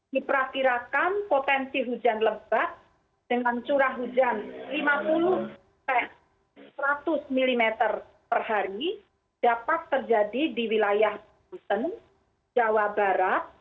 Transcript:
diperkirakan potensi hujan lebat dengan curah hujan lima puluh seratus mm per hari dapat terjadi di wilayah banten jawa barat